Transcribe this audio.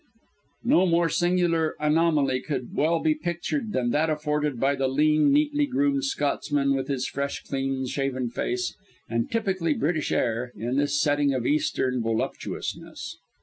No more singular anomaly could well be pictured than that afforded by the lean, neatly groomed Scotsman, with his fresh, clean shaven face and typically British air, in this setting of Eastern voluptuousness.